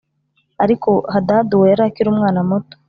ariko Hadadi uwo yari akiri umwana muto